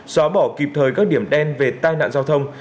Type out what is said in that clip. xóa bỏ kịp thời các điểm đen về tai nạn giao thông